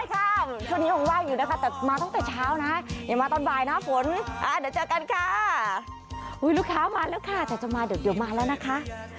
ฮัลโหลสวัสดีค่ะมาได้ครับช่วงนี้ฮ่องว่างอยู่นะคะแต่ตั้งแต่เช้านะคะ